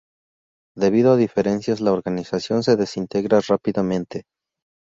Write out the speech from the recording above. Debido a diferencias, la organización se desintegra rápidamente.